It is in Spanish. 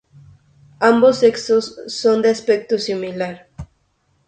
Ambos sexos son de aspecto similar.